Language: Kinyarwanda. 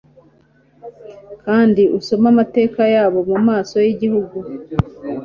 Kandi usome amateka yabo mumaso yigihugu,